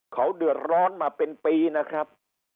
เขาเดือดร้อนมาเป็นปีนะครับ